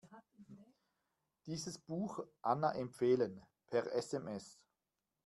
Dieses Buch Anna empfehlen, per SMS.